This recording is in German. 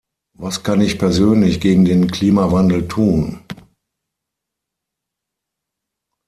Was kann ich persönlich gegen den Klimawandel tun?